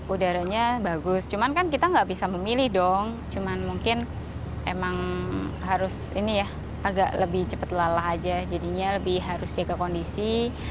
udaranya bagus cuman kan kita nggak bisa memilih dong cuman mungkin emang harus ini ya agak lebih cepat lelah aja jadinya lebih harus jaga kondisi